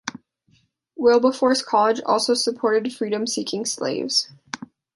Wilberforce College also supported freedom-seeking slaves.